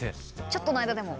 ちょっとの間でも。